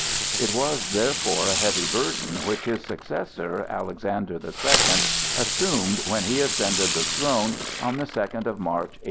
It was therefore a heavy burden which his successor, Alexander the Second, assumed when he ascended the throne on the second of March, 1855.